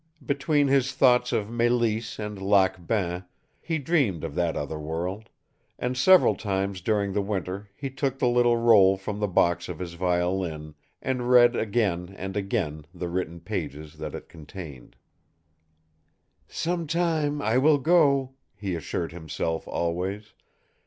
Between his thoughts of Mélisse and Lac Bain, he dreamed of that other world; and several times during the winter he took the little roll from the box of his violin, and read again and again the written pages that it contained. "Some time I will go," he assured himself always.